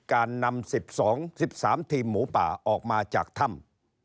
การนำ๑๒๑๓ทีมหมูป่าออกมาจากถ้ำ